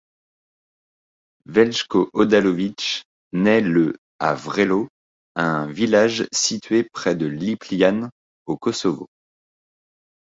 Veljko Odalović naît le à Vrelo, un village situé près de Lipljan, au Kosovo.